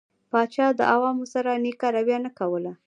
پاچا د عوامو سره نيکه رويه نه کوله.